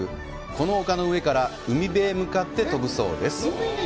この丘の上から海辺へ向かって飛ぶそうです！